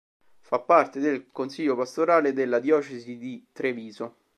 Fa parte del consiglio pastorale della diocesi di Treviso.